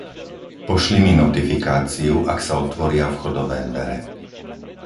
Pošli mi notifikáciu, ak sa otvoria vchodové dvere.